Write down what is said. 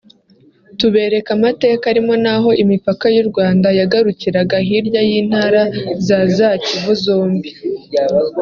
tubereka amateka arimo n’aho imipaka y’u Rwanda yagarukiraga hirya y’intara za za Kivu zombi